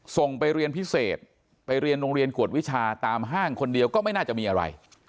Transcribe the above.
ส่งไปเรียนพิเศษไปเรียนโรงเรียนกวดวิชาตามห้างคนเดียวก็ไม่น่าจะมีอะไร